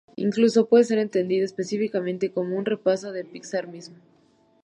Incluso puede ser entendido, específicamente, como un repaso de Pixar mismo".